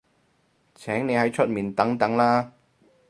請你喺出面等等啦